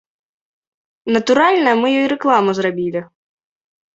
Натуральна, мы ёй рэкламу зрабілі.